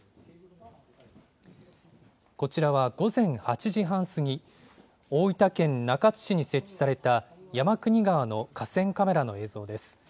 こちらは午前８時半過ぎ、大分県中津市に設置された山国川の河川カメラの映像です。